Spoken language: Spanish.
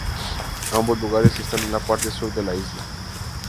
Ambos lugares están en la parte sur de la isla.